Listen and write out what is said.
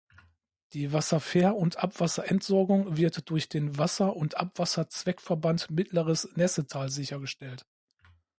Die Wasserver- und Abwasserentsorgung wird durch den Wasser- und Abwasserzweckverband Mittleres Nessetal sichergestellt.